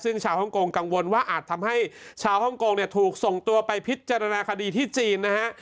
ซึ่งชาวฮ่องกงกังวลว่าอาจทำให้ชาวฮ่องกงเนี่ยถูกส่งตัวไปพิจารณาคดีที่จีนนะฮะ